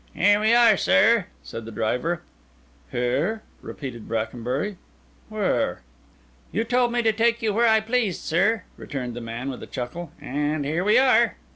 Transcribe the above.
"Here we are, sir," said the driver. "Here!" repeated Brackenbury. "Where?" "You told me to take you where I pleased, sir," returned the man with a chuckle, "and here we are."